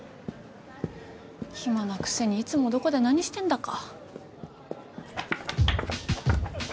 暇なくせにいつもどこで何してんだか。